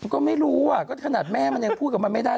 ก็ไม่รู้อ่ะก็ขนาดแม่มันยังพูดกับมันไม่ได้